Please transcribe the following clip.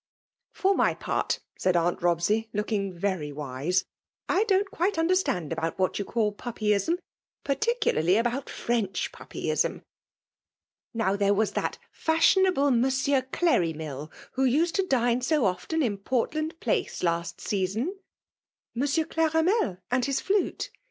'' ''For iny part/' said annt !Robsey^ looking very^ wise, '* I do&'t quite understand about what yon call puppyism, — particularly about French puppyism. Now there was that fashion able Monsieur ClorrymiU who used to dine so often in Portland Place last season "" Monsieur Cleramel and his flute